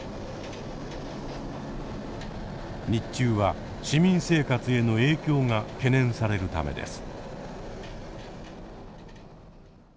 日中は市民生活への影響が懸念されるためです。